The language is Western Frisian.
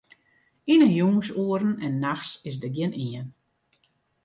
Yn 'e jûnsoeren en nachts is dêr gjinien.